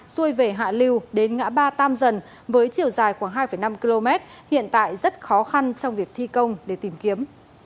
xuôi về hạ lưu đến ngã ba tam dần với chiều dài khoảng hai năm km hiện tại rất khó khăn trong việc thi công để tìm kiếm